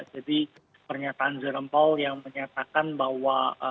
jadi pernyataan jerem paul yang menyatakan bahwa